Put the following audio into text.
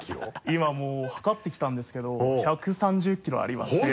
今もう量ってきたんですけど１３０キロありまして。